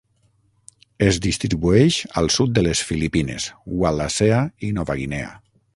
Es distribueix al sud de les Filipines, Wallacea i Nova Guinea.